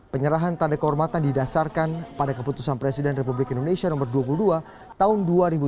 penyerahan tanda kehormatan didasarkan pada keputusan presiden republik indonesia nomor dua puluh dua tahun dua ribu dua puluh